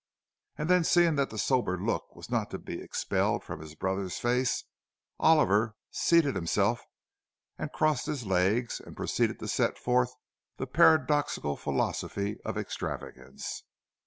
And then, seeing that the sober look was not to be expelled from his brother's face, Oliver seated himself and crossed his legs, and proceeded to set forth the paradoxical philosophy of extravagance.